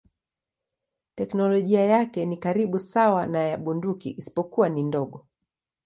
Teknolojia yake ni karibu sawa na ya bunduki isipokuwa ni ndogo.